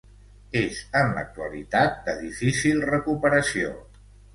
És en l'actualitat de difícil recuperació.